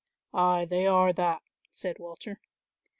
"Ay, they are that," said Walter.